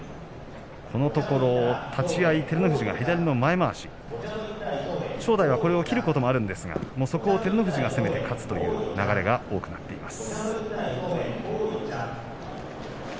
このところ立ち合いで照ノ富士が左の前まわし正代はこれを切ることがあるんですがそこを照ノ富士が攻めて勝つという相撲が多くなっています。